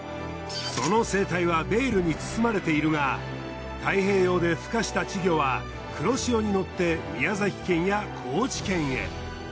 その生態はベールに包まれているが太平洋で孵化した稚魚は黒潮に乗って宮崎県や高知県へ。